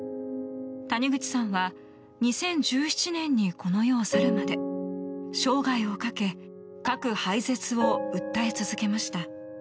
谷口さんは２０１７年にこの世を去るまで生涯をかけ核廃絶を訴え続けました。